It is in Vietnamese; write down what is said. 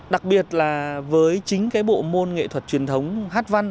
đặc biệt là với chính cái bộ môn nghệ thuật truyền thống hát văn